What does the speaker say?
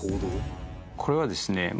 これはですね